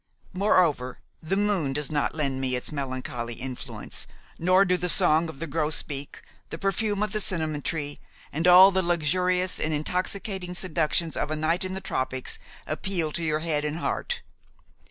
Moreover, the moon does not lend me its melancholy influence, nor do the song of the grosbeak, the perfume of the cinnamon tree, and all the luxurious and intoxicating seductions of a night in the tropics appeal to your head and heart.